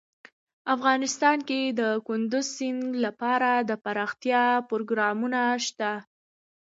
افغانستان کې د کندز سیند لپاره دپرمختیا پروګرامونه شته.